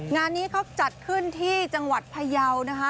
งานนี้จะจัดขึ้นที่จังหวัดภะเยานะฮะ